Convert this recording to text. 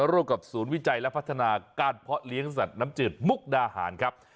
ร่วมกับศูนย์วิจัยและพัฒนาการเพาะเลี้ยงสัตว์น้ำจืดมุกดาหารครับ